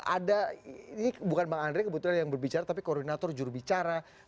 ada ini bukan bang andre kebetulan yang berbicara tapi koordinator jurubicara